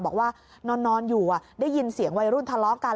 บอกว่านอนอยู่ได้ยินเสียงวัยรุ่นทะเลาะกัน